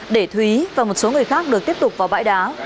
để thúy và một số người khác được tiếp tục vào bãi đá